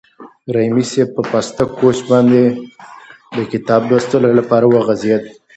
رحیمي صیب په پاسته کوچ باندې د کتاب لوستلو لپاره وغځېد.